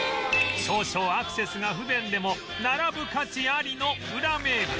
少々アクセスが不便でも並ぶ価値ありのウラ名物